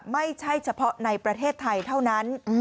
ไม่ใช่เฉพาะในประเทศไทยเท่านั้น